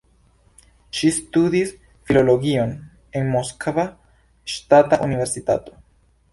Ŝi studis filologion en Moskva Ŝtata Universitato.